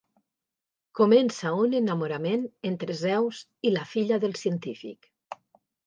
Comença un enamorament entre Zeus i la filla del científic.